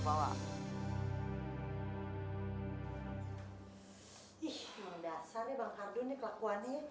ih mendasar nih bang hardon nih kelakuannya